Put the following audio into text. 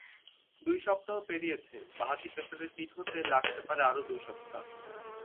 দুই সপ্তাহ পেরিয়েছে, বাঁহাতি পেসারের ফিট হতে লাগতে পারে আরও দুই সপ্তাহ।